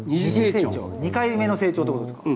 ２回目の成長ってことですか？